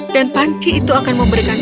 dan panci itu akan memberikan seratus buah kaos